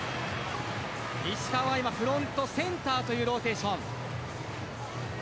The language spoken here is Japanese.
石川は今フロントセンターというローテーション。